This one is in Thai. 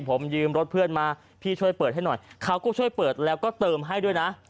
ผมยืมรถเพื่อนมาพี่ช่วยเปิดให้หน่อยเขาก็ช่วยเปิดแล้วก็เติมให้ด้วยนะ